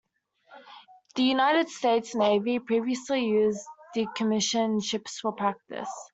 The United States Navy previously used decommissioned ships for practice.